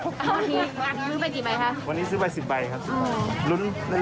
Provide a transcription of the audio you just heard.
ไม่ไม่เคยเจอใช่ไหมไม่เคยเจออะไรงง